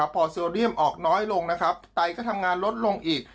พอโซเดียมออกน้อยลงนะครับไตก็ทำงานลดลงอีก